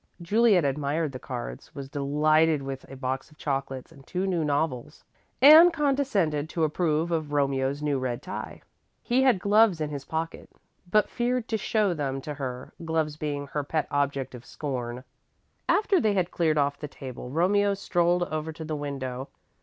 Juliet admired the cards, was delighted with a box of chocolates and two new novels, and condescended to approve of Romeo's new red tie. He had gloves in his pocket, but feared to show them to her, gloves being her pet object of scorn. After they had cleared off the table, Romeo strolled over to the window.